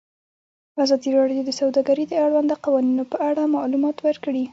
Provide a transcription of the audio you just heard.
ازادي راډیو د سوداګري د اړونده قوانینو په اړه معلومات ورکړي.